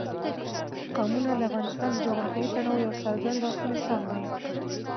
قومونه د افغانستان د جغرافیوي تنوع یو څرګند او ښه مثال دی.